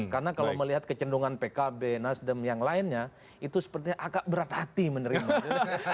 karena kalau melihat kecendungan pkb nasdem yang lainnya itu sepertinya agak berat hati menurut saya